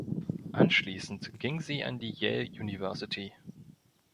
Anschließend ging sie an die Yale University.